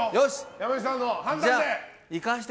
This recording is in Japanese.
山内さんの判断で。